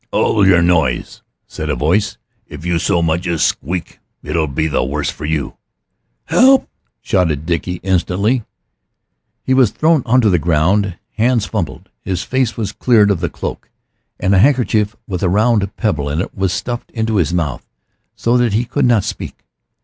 "Hold yer noise!" said a voice; "if you so much as squeak it'll be the worse for you." "Help!" shouted Dickie instantly. He was thrown on to the ground. Hands fumbled, his face was cleared of the cloak, and a handkerchief with a round pebble in it was stuffed into his mouth so that he could not speak.